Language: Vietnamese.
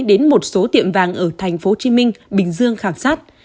đến một số tiệm vàng ở tp hcm bình dương khảo sát